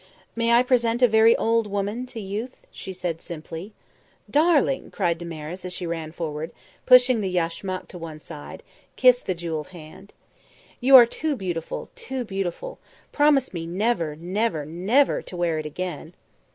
"May I present a very old woman to youth?" she said simply. "Darling," cried Damaris as she ran forward and, pushing the yashmak to one side, kissed the jewelled hand. "You are too beautiful too beautiful! Promise me never, never, never to wear it again."